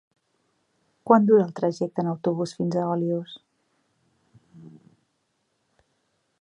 Quant dura el trajecte en autobús fins a Olius?